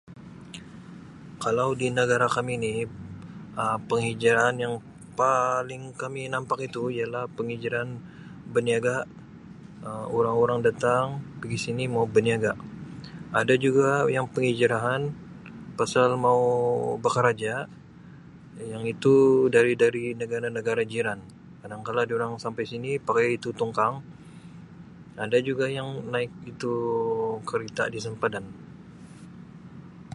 Kalau di negara kami ni Um penghijraan yang paling kami nampak itu ialah penghijraan berniaga Um orang-orang datang pigi sini mau berniaga ada juga yang peghijraan pasal mau bekeraja yang itu dari-dari negara-negara jiran kadangkala dorang sampai sini pakai itu tongkang ada juga yang naik itu kereta di sempadan.